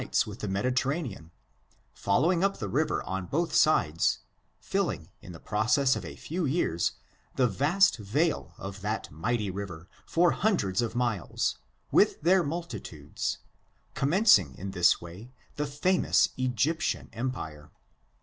S^ with the Mediterranean, following up the river on both sides, filling, in the process of a few years, the vast vale of that mighty river, for hundreds of miles, with their multitudes, commencing in this way the famous Bg3^tian empire.